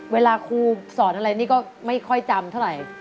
เวลาครูสอนอะไรนี่ก็ไม่ค่อยจำเท่าไหร่